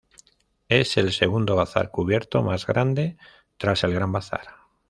Es el segundo bazar cubierto más grande tras el Gran Bazar.